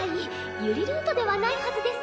百合ルートではないはずです